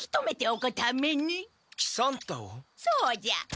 そうじゃ。